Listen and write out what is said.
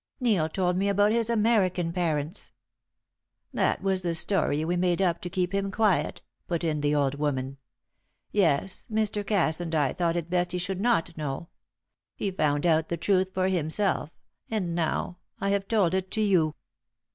Neil told me about his American parents " "That was the story we made up to keep him quiet," put in the old woman. "Yes, Mr. Cass and I thought it best he should not know. He found out the truth for himself, and now I have told it to you."